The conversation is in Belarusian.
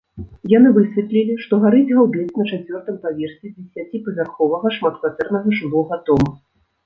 Яны высветлілі, што гарыць гаўбец на чацвёртым паверсе дзесяціпавярховага шматкватэрнага жылога дома.